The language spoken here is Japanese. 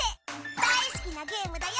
大好きなゲームだよ！